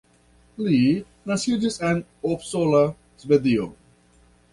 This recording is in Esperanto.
Li naskiĝis en Uppsala, Svedio.